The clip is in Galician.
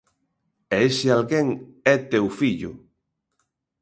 E ese alguén é teu fillo.